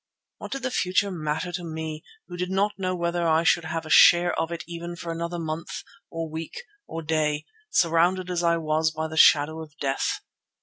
What did the future matter to me, who did not know whether I should have a share of it even for another month, or week, or day, surrounded as I was by the shadow of death?